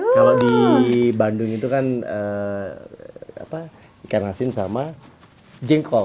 kalau di bandung itu kan ikan asin sama jengkol